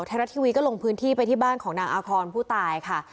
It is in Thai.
ไทยรัฐทีวีก็ลงพื้นที่ไปที่บ้านของนางอาคอนผู้ตายค่ะ